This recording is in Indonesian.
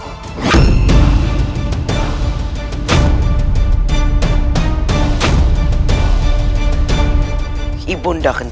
aku ingin menangkapmu